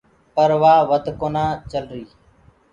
پر وآ وڌ ڪونآ چلري۔